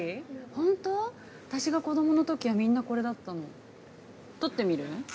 本当私が子供のときはみんなこれだったの。撮ってみる？